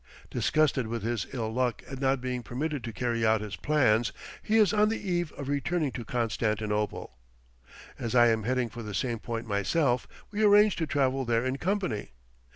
Disgusted with his ill luck at not being permitted to carry out his plans, he is on the eve of returning to Constantinople. As I am heading for the same point myself, we arrange to travel there in company.